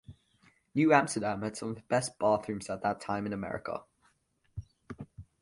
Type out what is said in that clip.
New Amsterdam had some of the best bathrooms at that time in America.